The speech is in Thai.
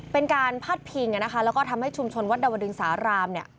เป็นการพาดพิงนะคะแล้วก็ทำให้ชุมชนวัดดาวดึงสารามเนี่ย